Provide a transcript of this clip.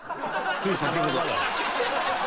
つい先ほど。